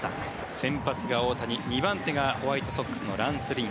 先発が大谷２番手がホワイトソックスのランス・リン。